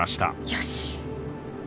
よし。